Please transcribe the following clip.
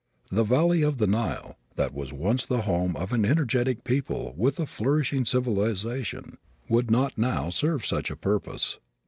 The valley of the Nile, that was once the home of an energetic people with a flourishing civilization would not now serve such a purpose.